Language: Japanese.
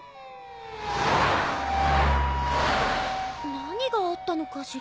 何があったのかしら？